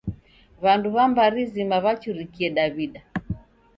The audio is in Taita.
W'andu w'a mbari zima w'achurikie Daw'ida.